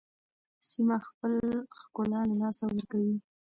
سیمه خپل ښکلا له لاسه ورکوي.